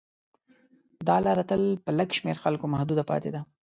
دا لاره تل په لږ شمېر خلکو محدوده پاتې ده.